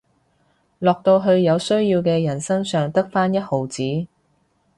落到去有需要嘅人身上得返一毫子